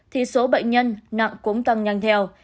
thì số bệnh nhân nặng cũng tăng nhanh theo